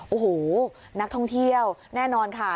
โอ้โหนักท่องเที่ยวแน่นอนค่ะ